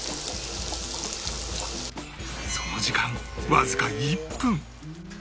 その時間わずか１分